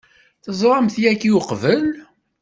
Teẓramt-t yagi uqbel?